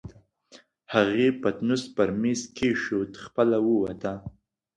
هغې پتنوس پر مېز کېښود، خپله ووته.